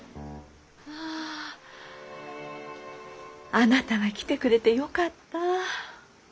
あなたが来てくれてよかった。